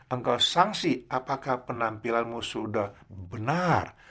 engkau sanksi apakah penampilanmu sudah benar